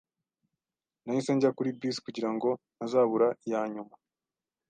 Nahise njya kuri bisi kugirango ntazabura iyanyuma.